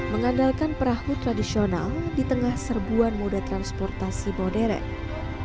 mengandalkan perahu tradisional di tengah serbuan mode transportasi moderek bagi robby itu tak jadi soal